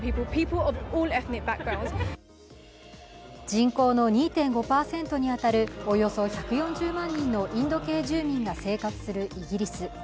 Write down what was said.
人口の２．５％に当たるおよそ１４０万人のインド系住民が生活するイギリス。